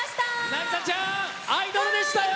凪咲ちゃんアイドルでしたよ！